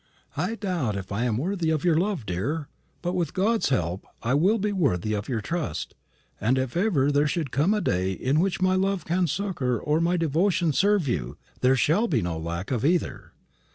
"I doubt if I am worthy of your love, dear; but, with God's help, I will be worthy of your trust; and if ever there should come a day in which my love can succour or my devotion serve you, there shall be no lack of either.